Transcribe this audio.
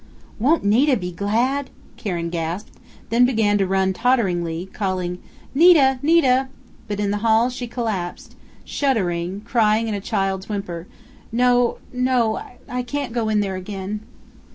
"Won't Nita be glad?" Karen gasped, then began to run totteringly, calling: "Nita! Nita!" But in the hall she collapsed, shuddering, crying in a child's whimper: "No, no! I can't go in there again!"